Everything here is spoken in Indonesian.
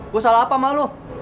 gue salah apa sama lu